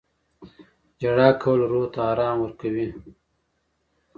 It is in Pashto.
• ژړا کول روح ته ارام ورکوي.